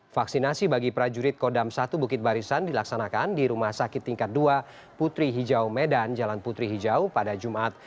vaksinasi bagi prajurit kodam satu bukit barisan dilaksanakan di rumah sakit tingkat dua putri hijau medan jalan putri hijau pada jumat